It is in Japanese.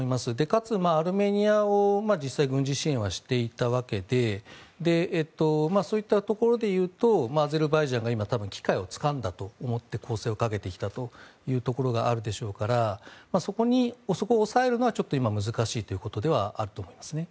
かつ、アルメニアを実際に軍事支援はしていたわけでそういったところで言うとアゼルバイジャンが今多分、機会をつかんだと思って攻勢をかけてきたというところがあるでしょうからそこを抑えるのはちょっと難しいということではあると思いますね。